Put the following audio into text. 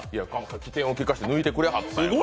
機転を利かせて抜いてくださったんよ